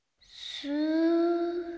す！